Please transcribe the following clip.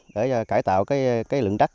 để cải tạo lượng đất